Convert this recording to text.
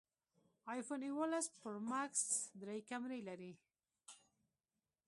ایفون اوولس پرو ماکس درې کمرې لري